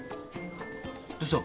どうした？